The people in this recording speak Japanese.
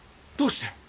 どうして？